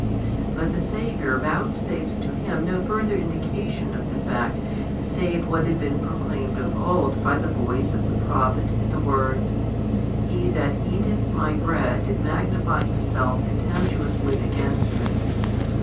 But the Saviour vouchsafes to him no further indication of the fact save what had been proclaimed of old by the voice of the prophet in the words: He that eateth my bread did magnify himself |197 contemptuously against me.